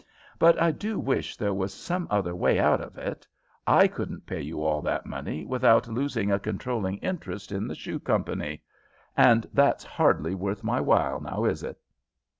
But I do wish there was some other way out of it. I couldn't pay you all that money without losing a controlling interest in the shoe company, and that's hardly worth my while, now is it?"